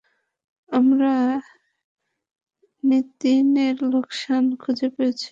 আমরা নিতিনের লোকেশান খুঁজে পেয়েছি।